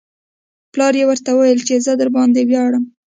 پلار یې ورته وویل چې زه درباندې ویاړم